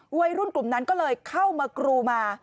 วัยรุ่นกลุ่มนั้นก็เลยเข้ามากรูมา